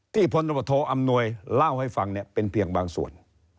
พลตำรวจโทอำนวยเล่าให้ฟังเนี่ยเป็นเพียงบางส่วน